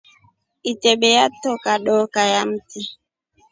Ibete latona dokaa ya mti.